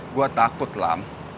gue takut lam